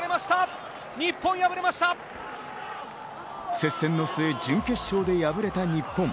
接戦の末、準決勝で敗れた日本。